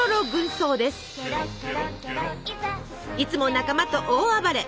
いつも仲間と大暴れ！